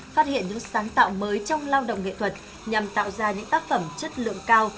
phát hiện những sáng tạo mới trong lao động nghệ thuật nhằm tạo ra những tác phẩm chất lượng cao